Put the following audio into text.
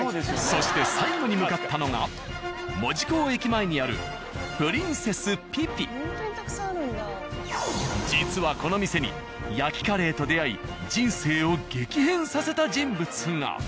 そして最後に向かったのが門司港駅前にある実はこの店に焼きカレーと出会い人生を激変させた人物が。